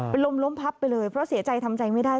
เป็นลมล้มพับไปเลยเพราะเสียใจทำใจไม่ได้